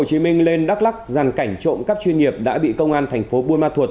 hai đối tượng từ tp hcm lên đắk lắc dàn cảnh trộm các chuyên nghiệp đã bị công an tp bunma thuật